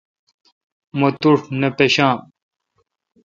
مہ توٹھے نہ پشام۔